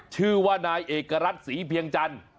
ชื่อว่านายเอกรัฐศรีเพียงจันทร์